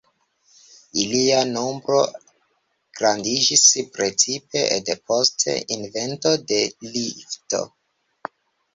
Ilia nombro grandiĝis precipe depost invento de lifto.